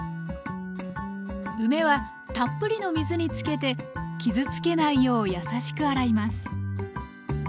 梅はたっぷりの水につけて傷つけないようやさしく洗います